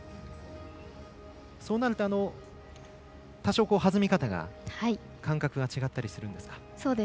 そうなると多少、弾み方が感覚が違ったりするんですか。